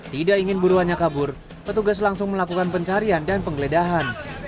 tidak ingin buruannya kabur petugas langsung melakukan pencarian dan penggeledahan